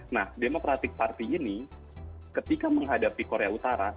nah democratic party ini ketika menghadapi korea utara